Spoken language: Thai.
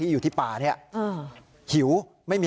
ร้านของรัก